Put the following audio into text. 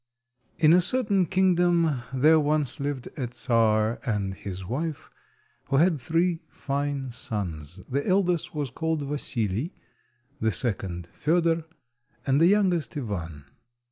IN a certain kingdom there once lived a Czar and his wife who had three fine sons. The eldest was called Vasili, the second Fedor, and the youngest Ivan.